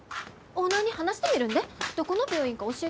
オーナーに話してみるんでどこの病院か教えてください。